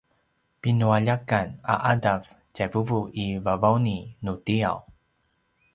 pinualjakan a ’adav tjai vuvu i Vavauni nutiaw